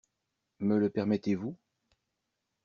Me le permettez-vous?